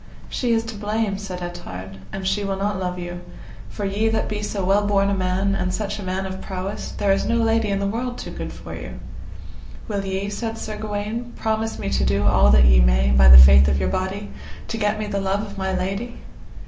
She is to blame, said Ettard, an she will not love you, for ye that be so well born a man, and such a man of prowess, there is no lady in the world too good for you. Will ye, said Sir Gawaine, promise me to do all that ye may, by the faith of your body, to get me the love of my lady?